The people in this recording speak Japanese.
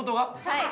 はい。